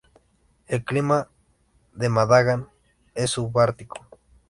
El clima de Magadán es subártico.